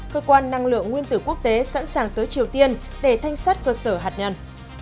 cơ quan năng lượng nguyên tử quốc tế sẵn sàng tới triều tiên để thanh sát cơ sở hạt nhân